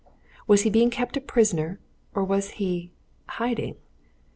Was he being kept a prisoner or was he hiding?